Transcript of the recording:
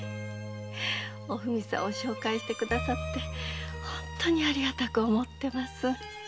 おふみさんを紹介して下さって本当にありがたく思ってます。